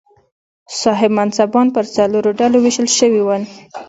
صاحب منصبان پر څلورو ډلو وېشل شوي ول.